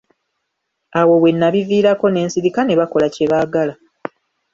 Awo we nnabiviirako ne nsirika ne bakola kye baagala.